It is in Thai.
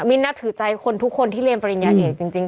นับถือใจคนทุกคนที่เรียนปริญญาเอกจริง